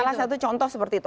salah satu contoh seperti itu